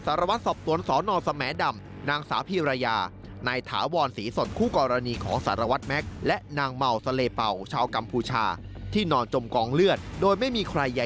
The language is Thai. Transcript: สารวัฒน์สอบตวนสอนอนสมแดมนางสาพิรายา